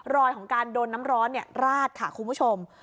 รอยของการโดนน้ำร้อนราดค่ะคุณผู้ชม